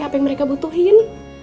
apa yang mereka butuhin